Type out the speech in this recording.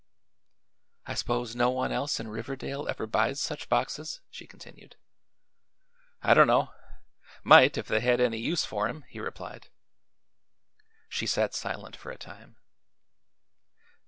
"I suppose no one else in Riverdale ever buys such boxes?" she continued. "I don't know. Might, if they had any use for 'em," he replied. She sat silent for a time.